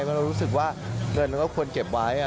เพราะเรารู้สึกว่าเราก็ควรเก็บไว้อะ